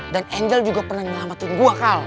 dan angel juga pernah nyelamatin gue kal